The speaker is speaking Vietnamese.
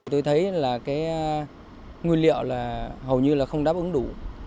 tôi thấy là cái nguyên liệu là hầu như là không đáp ứng đủ